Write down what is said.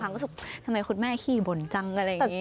เราก็รู้สึกทำมันคือคุณแม่ขี้บ่นจังอะไรอย่างนี้